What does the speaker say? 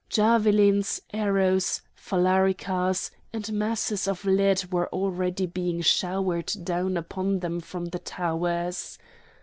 Javelins, arrows, phalaricas, and masses of lead were already being showered down upon them from the towers.